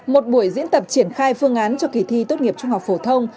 một buổi diễn tập triển khai phương án cho kỳ thi tốt nghiệp trung học phổ thông